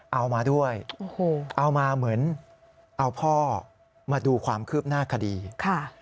เอามาด้วยโอ้โหเอามาเหมือนเอาพ่อมาดูความคืบหน้าคดีค่ะ